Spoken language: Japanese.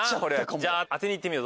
じゃあ当てにいってみよう。